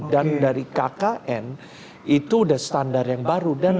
dan dari kkn itu udah standar yang baru